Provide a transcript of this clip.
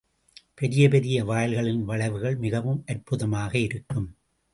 பெரிய பெரிய வாயில்களின் வளைவுகள் மிகவும் அற்புதமாக இருக்கும்.